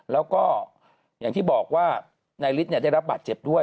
แล้วก็อย่างที่บอกว่านายฤทธิ์ได้รับบาดเจ็บด้วย